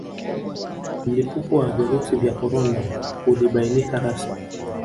Mlipuko wa Virusi vya Korona ulibainika rasmi